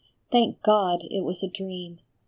Thank God, it was a dream !